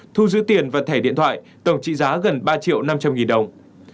thu giữ tiền và thẻ điện thoại tổng trị giá gần ba triệu năm trăm linh nghìn đồng